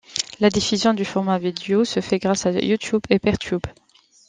La diffusion du format vidéo se fait grâce à YouTube et PeerTube.